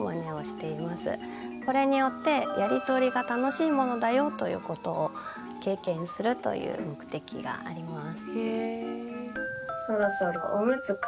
これによってやりとりが楽しいものだよということを経験するという目的があります。